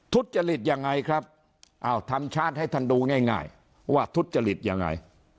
ทุจริตยังไงครับอ้าวทำชาร์จให้ท่านดูง่ายว่าทุจริตยังไง